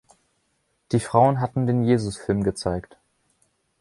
Die Frauen hatten den Jesus-Film gezeigt.